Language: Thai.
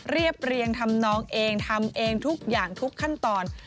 เรียบเรียงทำนองเองทำเองทุกอย่างทุกขั้นตอน